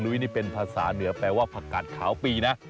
นี่เป็นภาษาเหนือแปลว่าผักกาดขาวปีนะ